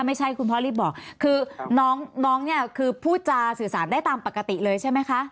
ไม่ใช่คุณพ่อรีบบอกคือน้องเนี่ยคือพูดจาสื่อสารได้ตามปกติเลยใช่ไหมคะ